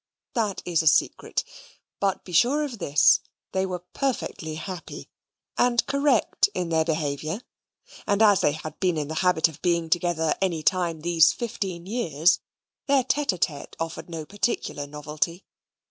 That is a secret. But be sure of this they were perfectly happy, and correct in their behaviour; and as they had been in the habit of being together any time these fifteen years, their tete a tete offered no particular novelty.